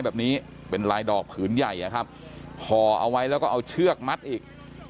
แบบนี้เป็นลายดอกผืนใหญ่นะครับห่อเอาไว้แล้วก็เอาเชือกมัดอีก